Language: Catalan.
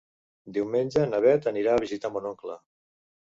Diumenge na Bet anirà a visitar mon oncle.